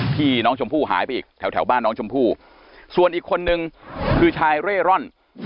ที่น้องชมพู่หายไปอีกแถวบ้านน้องชมพู่ส่วนอีกคนนึงคือชายเร่ร่อน